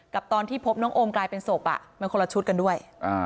ตอนที่พบน้องโอมกลายเป็นศพมันคนละชุดกันด้วย